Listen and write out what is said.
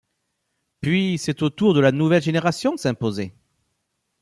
Puis, c'est au tour de la nouvelle génération de s'imposer.